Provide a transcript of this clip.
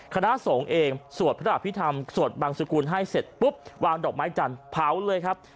คณะสงฆ์เองสวดพระอภิษฐรรมสวดบังสกุลให้เสร็จปุ๊บวางดอกไม้จันทร์เผาเลยครับ